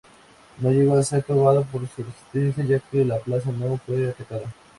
No llegó a ser probada su resistencia ya que la plaza no fue atacada.